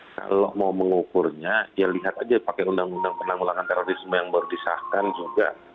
kalau mau mengukurnya ya lihat aja pakai undang undang penanggulangan terorisme yang baru disahkan juga